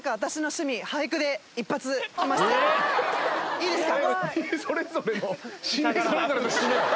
いいですか？